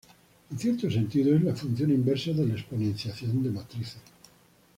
En cierto sentido es la función inversa de la exponenciación de matrices.